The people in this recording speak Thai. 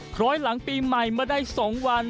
ร้อยหลังปีใหม่มาได้๒วัน